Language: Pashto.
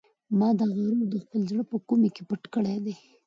ما دا غرور د خپل زړه په کومې کې پټ کړی دی.